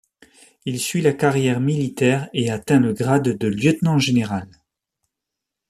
Il suit la carrière militaire et atteint le grade de lieutenant-général.